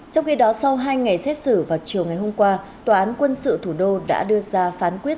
trong khi đó sau hai ngày xét xử vào chiều ngày hôm qua tòa án quân sự thủ đô đã đưa ra phán quyết